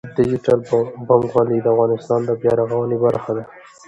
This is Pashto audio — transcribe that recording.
ډیجیټل بانکوالي د افغانستان د بیا رغونې برخه ده.